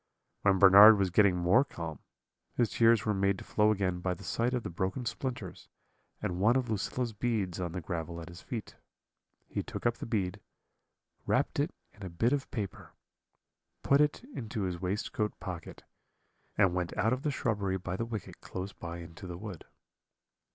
"When Bernard was getting more calm, his tears were made to flow again by the sight of the broken splinters and one of Lucilla's beads on the gravel at his feet. He took up the bead, wrapped it in a bit of paper, put it into his waistcoat pocket, and went out of the shrubbery by the wicket close by into the wood.